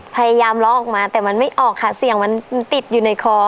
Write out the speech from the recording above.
พยายามล้อออกมาแต่มันไม่ออกค่ะเสียงมันติดอยู่ในคอ